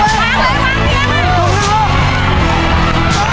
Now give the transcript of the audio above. รู้ใช่ไหมล่ะเป็นรูปสัตว์นะ